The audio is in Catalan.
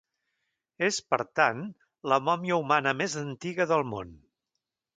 És, per tant, la mòmia humana més antiga del món.